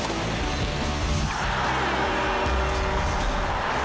โปรดติดตามตอนต่อไป